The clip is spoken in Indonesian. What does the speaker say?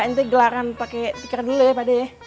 nanti gelaran pake tikar dulu ya pade